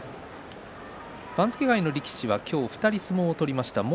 番付外の力士は今日２人相撲を取りました。